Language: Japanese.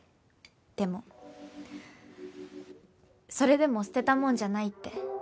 でもそれでも捨てたもんじゃないって。